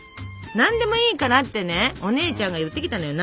「何でもいいから」ってねお姉ちゃんが言ってきたのよ。